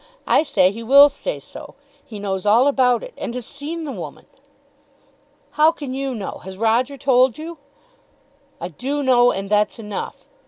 I say he will say so. He knows all about it, and has seen the woman." "How can you know? Has Roger told you?" "I do know, and that's enough.